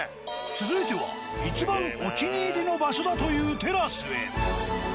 続いてはいちばんお気に入りの場所だというテラスへ。